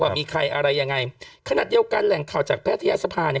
มีใครอะไรยังไงขนาดเดียวกันแหล่งข่าวจากแพทยศภาเนี่ย